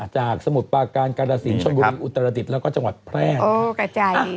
จากสมุดปาการการสินชมบุรีอุตราติดแล้วก็จังหวัดแพร่ง